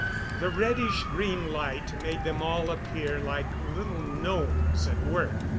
The reddish green light made them all appear like little gnomes at work.